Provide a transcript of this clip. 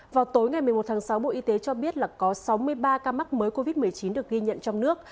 vào tối ngày một mươi một tháng sáu bộ y tế cho biết là có sáu mươi ba ca mắc mới covid một mươi chín được ghi nhận trong nước